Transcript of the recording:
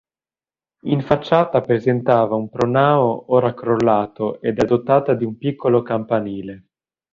In facciata presentava un pronao ora crollato ed è dotata di un piccolo campanile.